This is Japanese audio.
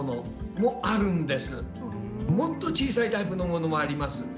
もっと小さいタイプのものもあります。